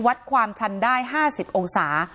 วัดความชันได้๕๐องศา